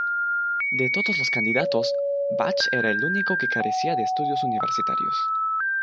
De todos los candidatos, Bach era el único que carecía de estudios universitarios.